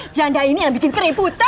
janda ini yang bikin keributan